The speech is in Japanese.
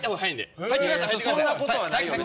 そんなことはないよ。